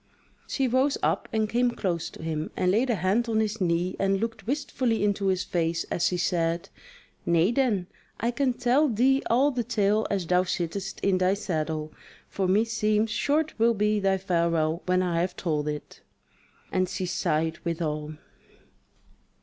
She rose up and came close to him, and laid a hand on his knee and looked wistfully into his face as she said: "Nay then, I can tell thee all the tale as thou sittest in thy saddle; for meseems short will be thy farewell when I have told it." And she sighed withal.